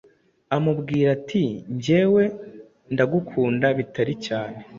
amubwira ati ngewe ndagukunda bitari cyane